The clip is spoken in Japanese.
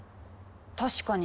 確かに。